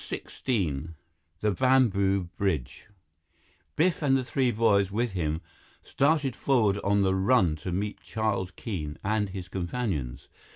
XVI The Bamboo Bridge Biff and the three boys with him started forward on the run to meet Charles Keene and his companions.